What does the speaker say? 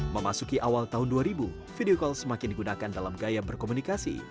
memasuki awal tahun dua ribu video call semakin digunakan dalam gaya berkomunikasi